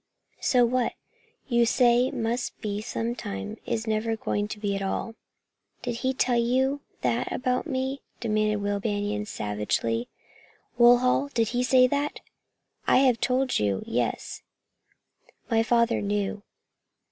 So what you say must be sometime is never going to be at all." "Did he tell you that about me?" demanded Will Banion savagely. "Woodhull did he say that?" "I have told you, yes. My father knew.